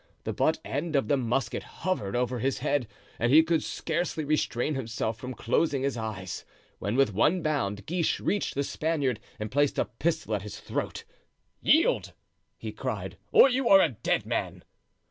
The butt end of the musket hovered over his head, and he could scarcely restrain himself from closing his eyes, when with one bound Guiche reached the Spaniard and placed a pistol at his throat. "Yield!" he cried, "or you are a dead man!"